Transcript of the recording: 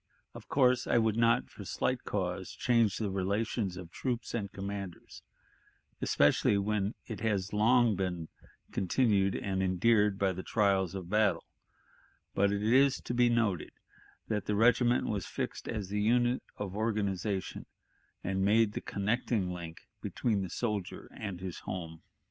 Of course, I would not for slight cause change the relations of troops and commanders, especially where it has been long continued and endeared by the trials of battle; but it is to be noted that the regiment was fixed as the unit of organization, and made the connecting link between the soldier and his home.